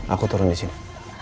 aku turun di sini